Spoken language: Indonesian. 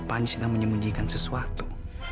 dokter panji sedang menyembunyikan sesuatu